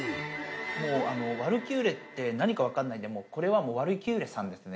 もう、ワルキューレって何か分からないんで、もうこれはもうワルキューレさんですね。